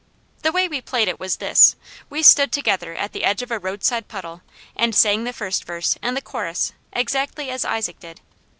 The way we played it was this: we stood together at the edge of a roadside puddle and sang the first verse and the chorus exactly as Isaac did.